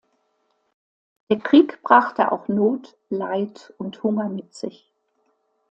Der Krieg brachte auch Not, Leid und Hunger mit sich.